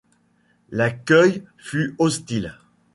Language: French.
L'accueil fut hostile.